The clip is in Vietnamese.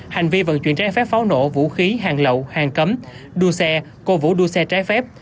hành vi vận chuyển trái phép pháo nổ vũ khí hàng lậu hàng cấm đua xe cố vũ đua xe trái phép